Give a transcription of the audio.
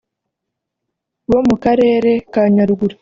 bo mu karere ka Nyaruguru